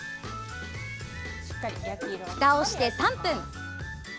ふたをして３分。